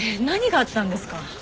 何があったんですか？